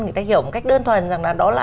người ta hiểu một cách đơn thuần rằng là đó là